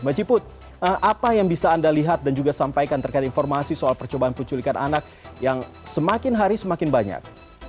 mbak ciput apa yang bisa anda lihat dan juga sampaikan terkait informasi soal percobaan penculikan anak yang semakin hari semakin banyak